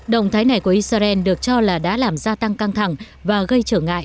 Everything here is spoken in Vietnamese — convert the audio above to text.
động thái này của israel được cho là đã làm gia tăng căng thẳng và gây trở ngại